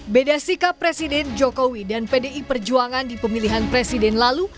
beda sikap presiden jokowi dan pdi perjuangan di pemilihan presiden lalu